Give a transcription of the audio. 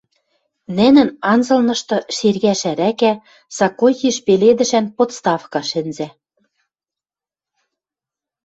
Нӹнӹн анзылнышты шергӓш ӓрӓкӓ, сакой йиш пеледӹшӓн подставка шӹнзӓ.